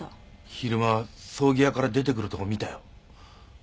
昼間葬儀屋から出てくるとこ見たよ。